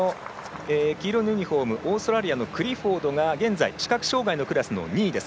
オーストラリアのクリフォードが現在視覚障がいのクラスの２位です。